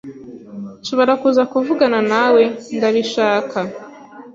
"Nshobora kuza kuvugana nawe?" "Ndabishaka."